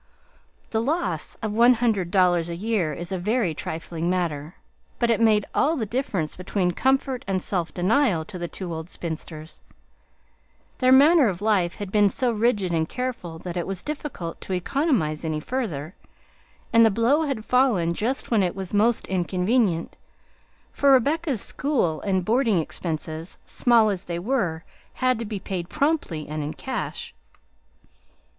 The loss of one hundred dollars a year is a very trifling matter, but it made all the difference between comfort and self denial to the two old spinsters Their manner of life had been so rigid and careful that it was difficult to economize any further, and the blow had fallen just when it was most inconvenient, for Rebecca's school and boarding expenses, small as they were, had to be paid promptly and in cash.